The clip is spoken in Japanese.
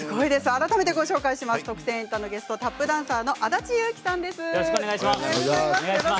改めて、ご紹介します「特選！エンタ」のゲストタップダンサーの安達雄基さんです。